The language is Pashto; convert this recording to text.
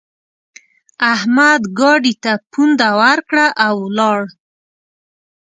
احمد ګاډي ته پونده ورکړه؛ او ولاړ.